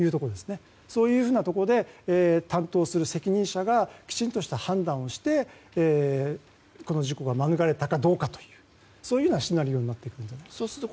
そういうふうなところで担当する責任者がきちんとした判断をしてこの事故を免れることができたかとそういうシナリオになっていくんじゃないかと。